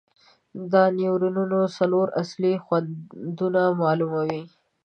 دا نیورونونه څلور اصلي خوندونه معلوموي.